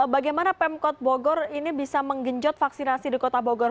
bagaimana pemkot bogor ini bisa menggenjot vaksinasi di kota bogor